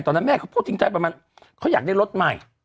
ตอนนั้นแม่เขาพูดจริงอยากได้รถใหม่